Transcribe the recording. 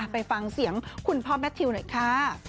ไปฟังเสียงคุณพ่อแมททิวหน่อยค่ะ